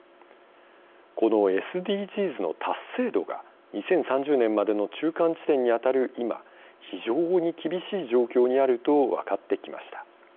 このＳＤＧｓの達成度が２０３０年までの中間地点に当たる今非常に厳しい状況にあると分かってきました。